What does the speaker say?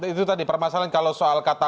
itu tadi permasalahan kalau soal kata